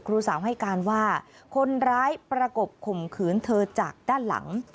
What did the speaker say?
ครูสาวให้การว่าคนร้ายประกบข่มขืนเธอจากด้านหลัง